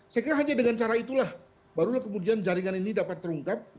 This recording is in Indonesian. saya kira hanya dengan cara itulah barulah kemudian jaringan ini dapat terungkap